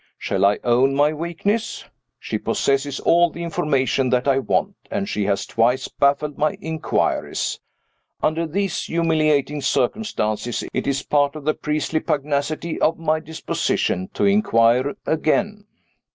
Shall I own my weakness? She possesses all the information that I want, and she has twice baffled my inquiries. Under these humiliating circumstances, it is part of the priestly pugnacity of my disposition to inquire again.